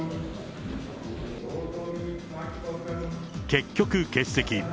結局欠席。